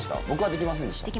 できませんでした。